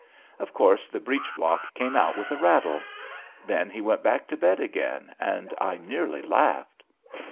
Of course, the breech block came out with a rattle. Then he went back to bed again, and I nearly laughed.